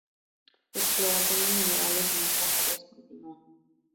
La exploración de minerales en otras áreas continúa.